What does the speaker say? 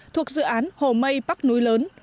thuộc dự án hồ mây bắc núi lớn